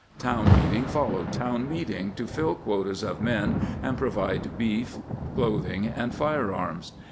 Town meeting followed town meeting to fill quotas of men and provide beef, clothing, and fire arms.